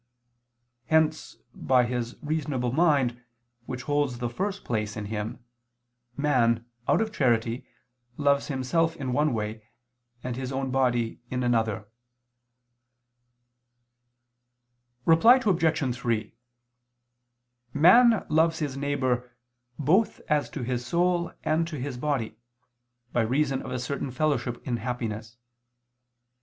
Hence, by his reasonable mind which holds the first place in him, man, out of charity, loves himself in one way, and his own body in another. Reply Obj. 3: Man loves his neighbor, both as to his soul and as to his body, by reason of a certain fellowship in happiness.